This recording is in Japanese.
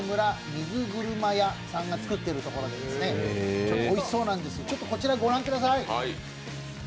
水車亭さんが作っているところでしておいしそうなんですけどこちらご覧ください。